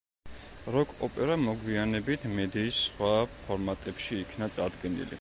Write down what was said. როკ-ოპერა მოგვიანებით მედიის სხვა ფორმატებში იქნა წარდგენილი.